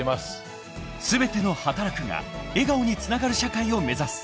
［全ての「はたらく」が笑顔につながる社会を目指す］